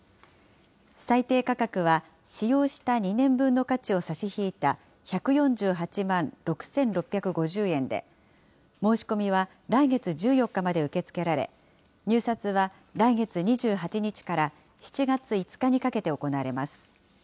最低価格は、使用した２年分の価値を差し引いた１４８万６６５０円で、申し込みは来月１４日まで受け付けられ、入札は来月２８日から７月５日にかけて行われます。